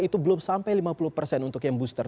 itu belum sampai lima puluh persen untuk yang booster